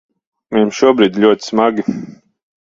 Viņam šobrīd ir ļoti smagi.